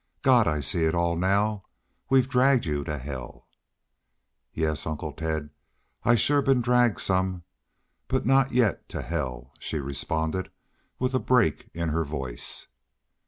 "God! I see it all now.... We've dragged y'u to hell!" "Yes, Uncle Tad, I've shore been dragged some but not yet to hell," she responded, with a break in her voice.